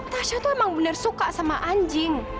tasha itu emang bener suka sama anjing